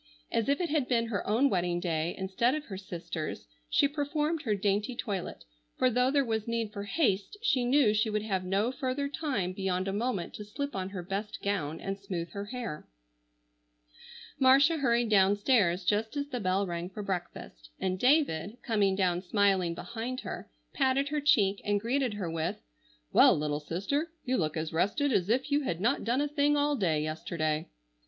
As if it had been her own wedding day instead of her sister's, she performed her dainty toilet, for though there was need for haste, she knew she would have no further time beyond a moment to slip on her best gown and smooth her hair. Marcia hurried downstairs just as the bell rang for breakfast, and David, coming down smiling behind her, patted her cheek and greeted her with, "Well, little sister, you look as rested as if you had not done a thing all day yesterday."